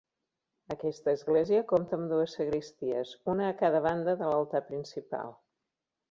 Aquesta església compta amb dues sagristies, una a cada banda de l'altar principal.